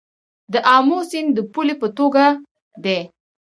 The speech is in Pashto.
د امو سیند د پولې په توګه دی